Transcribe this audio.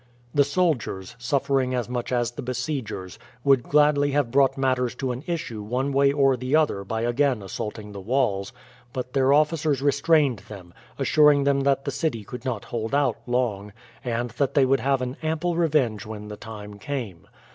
The soldiers, suffering as much as the besiegers, would gladly have brought matters to an issue one way or the other by again assaulting the walls; but their officers restrained them, assuring them that the city could not hold out long, and that they would have an ample revenge when the time came.